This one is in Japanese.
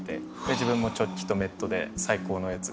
自分もチョッキとメットで最高のやつつけて。